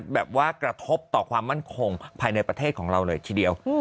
กระทบต่อความมั่นคงภายในประเทศของเราเลยทีเดียว